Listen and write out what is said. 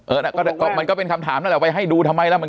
มันก็มันก็เป็นคำถามนั่นแหละไปให้ดูทำไมล่ะ